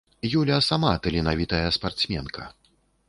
Юля сама таленавітая спартсменка.